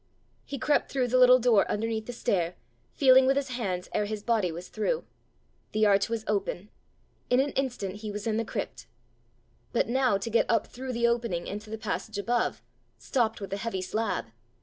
He crept through the little door underneath the stair, feeling with his hands ere his body was through: the arch was open! In an instant he was in the crypt. But now to get up through the opening into the passage above stopped with a heavy slab!